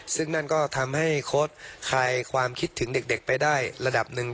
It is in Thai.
ซึ่งนั่นก็ทำให้โค้ดคลายความคิดถึงเด็กไปได้ระดับหนึ่ง